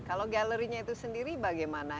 kalau galerinya itu sendiri bagaimana